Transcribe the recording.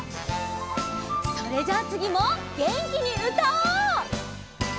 それじゃあつぎもげんきにうたおう！